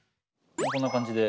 こんな感じで。